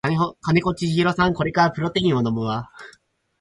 金子千尋さんこれからプロテイン飲むわ